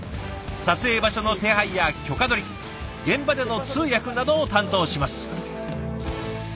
撮影場所の手配や許可取り現場での通訳などを担当します。